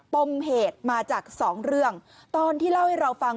ปมเหตุมาจากสองเรื่องตอนที่เล่าให้เราฟัง